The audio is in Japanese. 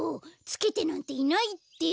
つけてなんていないって！